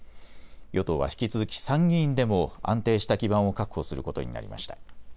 与党は引き続き参議院でも安定した基盤を確保することになりました。